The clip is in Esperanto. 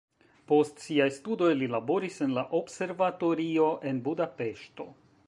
Post siaj studoj li laboris en la observatorio en Budapeŝto.